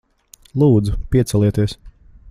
Lūdzu, piecelieties.